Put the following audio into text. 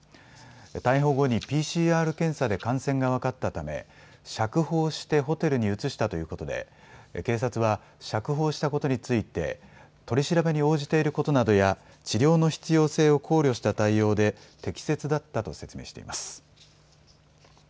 逮捕後にＰＣＲ検査で感染が分かったため釈放してホテルに移したということで警察は釈放したことについて取り調べに応じていることなどや治療の必要性を考慮した対応で適切だったと説明しています。